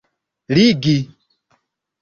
ligi